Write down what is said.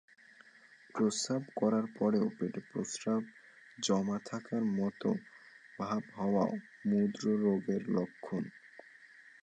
প্রস্রাব করার পরও পেটে প্রস্রাব জমা থাকার মতো ভাব হওয়া মূত্ররোগের লক্ষণ।